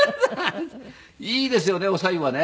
いいですよねお白湯はね。